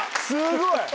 すごい！